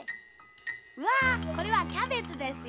わこれはキャベツですよ。